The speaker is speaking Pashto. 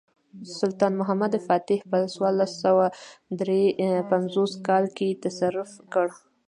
سلطان محمد فاتح په څوارلس سوه درې پنځوس کال کې تصرف کړ.